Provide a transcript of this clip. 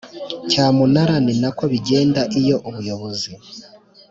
Cyamunara ni nako bigenda iyo ubuyobozi